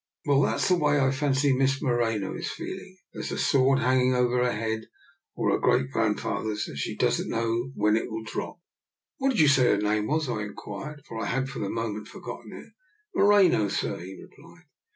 Well, that's the way, I fancy. Miss Moreno is feeling. There's a sword hanging over her head or her great grandfather's, and she doesn't know when it'll drop." " What did you say her name was? " I inquired, for I had for the moment for gotten it. " Moreno, sir," he replied.